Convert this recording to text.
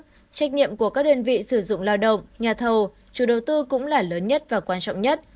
nhưng trách nhiệm của các đơn vị sử dụng lao động nhà thầu chủ đầu tư cũng là lớn nhất và quan trọng nhất